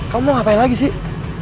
kamu mau ngapain lagi sih